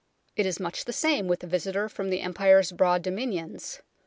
It is much the same with the visitor from the Empire's broad Dominions.